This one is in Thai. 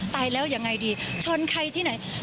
ตายแล้วยังไงดีชนใครที่ไหน